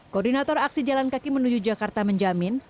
koordinator aksi jalan kaki menuju jakarta menjamin